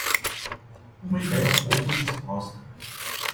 Uma ideia pouco disposta